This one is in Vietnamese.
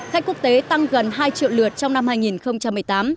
khách quốc tế tăng gần hai triệu lượt trong năm hai nghìn một mươi tám